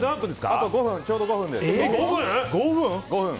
あとちょうど５分です。